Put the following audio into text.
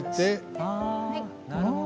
あなるほど。